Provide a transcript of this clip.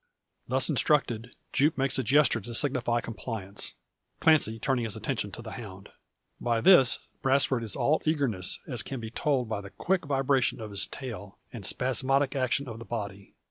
Thus instructed, Jupe makes a gesture to signify compliance; Clancy turning his attention to the hound. By this, Brasfort is all eagerness, as can be told by the quick vibration of his tail, and spasmodic action of the body.